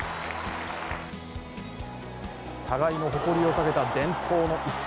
互いの誇りをかけた伝統の一戦。